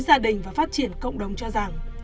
gia đình và phát triển cộng đồng cho rằng